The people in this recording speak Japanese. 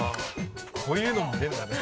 こういうのも出るんだね。